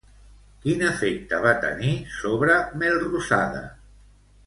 Quin efecte va tenir sobre Melrosada?